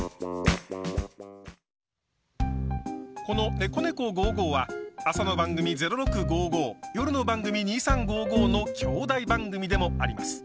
この「ねこねこ５５」は朝の番組「０６５５」夜の番組「２３５５」の兄弟番組でもあります。